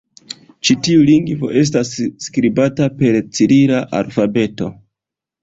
Ĉi tiu lingvo estas skribata per cirila alfabeto.